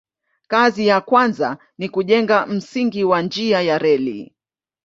Kazi ya kwanza ni kujenga msingi wa njia ya reli.